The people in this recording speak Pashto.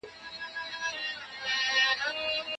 پوهېږمه په ځان د لېونو کانه راکېږي